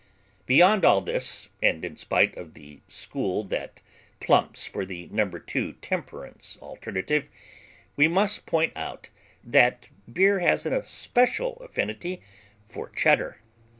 Beyond all this (and in spite of the school that plumps for the No. 2 temperance alternative) we must point out that beer has a special affinity for Cheddar.